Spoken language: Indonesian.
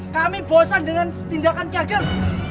kami bosan dengan tindakan cagam